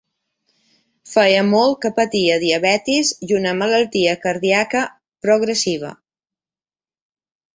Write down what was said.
Feia molt que patia diabetis i una malaltia cardíaca progressiva.